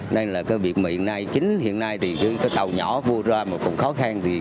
nên là cái việc mà hiện nay chính hiện nay thì cái tàu nhỏ vô ra mà cũng khó khăn gì